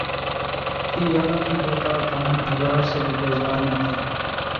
تھی یاروں کی بہتات تو ہم اغیار سے بھی بیزار نہ تھے